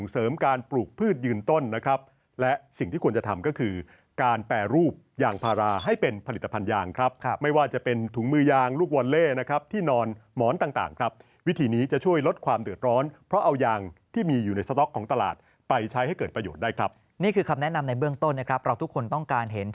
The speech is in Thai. เสริมการปลูกพืชยืนต้นนะครับและสิ่งที่ควรจะทำก็คือการแปรรูปยางพาราให้เป็นผลิตภัณฑ์ยางครับไม่ว่าจะเป็นถุงมือยางลูกวอลเล่นะครับที่นอนหมอนต่างครับวิธีนี้จะช่วยลดความเดือดร้อนเพราะเอายางที่มีอยู่ในสต๊อกของตลาดไปใช้ให้เกิดประโยชน์ได้ครับนี่คือคำแนะนำในเบื้องต้นนะครับเราทุกคนต้องการเห็น